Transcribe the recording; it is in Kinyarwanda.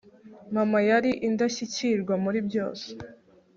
mama yari indashyikirwa muri byose